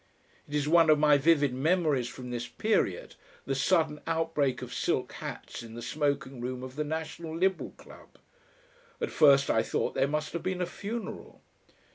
It is one of my vivid memories from this period, the sudden outbreak of silk hats in the smoking room of the National Liberal Club. At first I thought there must have been a funeral.